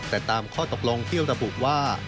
แต่ตามข้อตกลงที่ระบุว่า